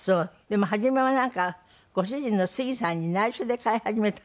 でも初めはなんかご主人の杉さんに内緒で飼い始めたんですって？